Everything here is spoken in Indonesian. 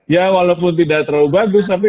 ya walaupun tidak terlalu bagus tapi